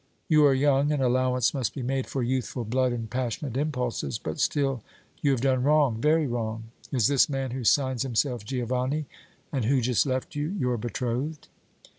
You are young, and allowance must be made for youthful blood and passionate impulses; but still you have done wrong, very wrong! Is this man, who signs himself Giovanni and who just left you, your betrothed?"